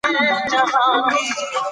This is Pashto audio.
آيا پوهېږئ چي ټولنپوهنه څه ده؟